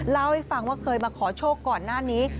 เล่าให้ฟังว่าเคยมาขอโชคก่อนหน้านี้